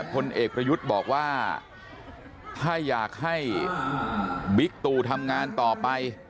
ผลเอกประยุทธ์บอกว่าถ้าอยากให้บิ๊กตูทำงานต่อไป